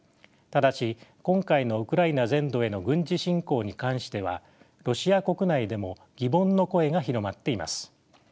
ただし今回のウクライナ全土への軍事侵攻に関してはロシア国内でも疑問の声が広まっています。